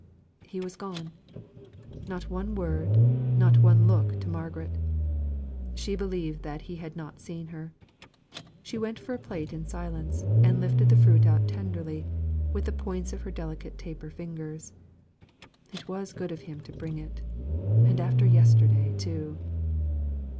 He was gone. Not one word: not one look to Margaret. She believed that he had not seen her. She went for a plate in silence, and lifted the fruit out tenderly, with the points of her delicate taper fingers. It was good of him to bring it; and after yesterday too!